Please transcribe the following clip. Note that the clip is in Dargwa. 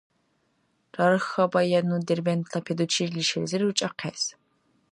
Рархьабая ну Дербентла педучилищелизир ручӀахъес.